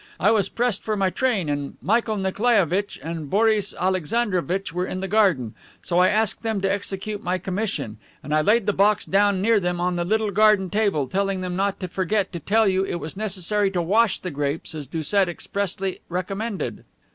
I was pressed for my train and Michael Nikolaievitch and Boris Alexandrovitch were in the garden, so I asked them to execute my commission, and I laid the box down near them on the little garden table, telling them not to forget to tell you it was necessary to wash the grapes as Doucet expressly recommended."